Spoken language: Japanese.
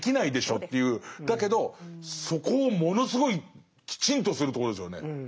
だけどそこをものすごいきちんとするところですよね。